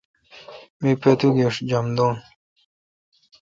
می پتو پیݭ جم دون۔